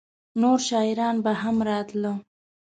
نور شاعران به هم راتله؟